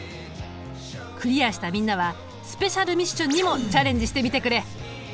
クリアしたみんなはスペシャルミッションにもチャレンジしてみてくれ。